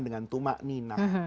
dengan tumak ninah